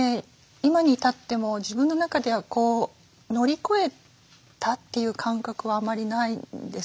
今に至っても自分の中では乗り越えたという感覚はあまりないんですよ。